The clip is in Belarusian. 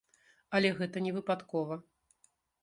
Але гэта не выпадкова.